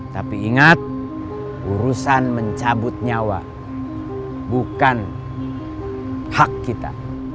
tapi ingat urusan mencabut nyawa bukan hak kita